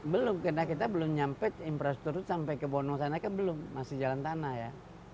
belum karena kita belum nyampe infrastruktur sampai ke bonong sana kan belum masih jalan tanah ya